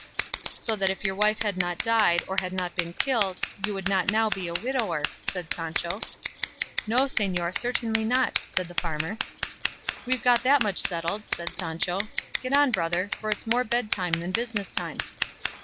"So that if your wife had not died, or had not been killed, you would not now be a widower," said Sancho. "No, señor, certainly not," said the farmer. "We've got that much settled," said Sancho; "get on, brother, for it's more bed time than business time."